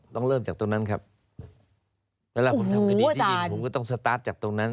เริ่มจากตรงนั้นครับเวลาผมทำคดีที่ดินผมก็ต้องสตาร์ทจากตรงนั้น